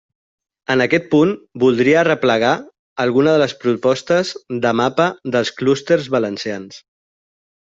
En aquest punt, voldria arreplegar alguna de les propostes de mapa dels clústers valencians.